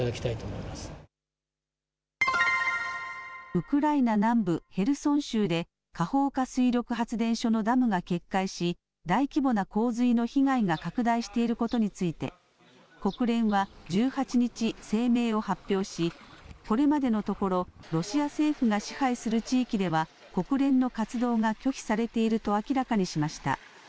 ウクライナ南部ヘルソン州で、カホウカ水力発電所のダムが決壊し、大規模な洪水の被害が拡大していることについて、国連は１８日、声明を発表し、これまでのところロシア政府が支配する地域では、国連の活動が拒否されていると明らかにしました。